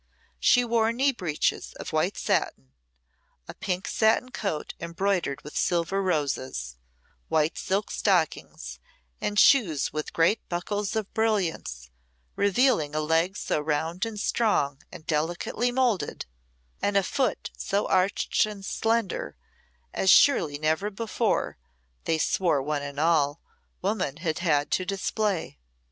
She wore knee breeches of white satin, a pink satin coat embroidered with silver roses, white silk stockings, and shoes with great buckles of brilliants, revealing a leg so round and strong and delicately moulded, and a foot so arched and slender, as surely never before, they swore one and all, woman had had to display.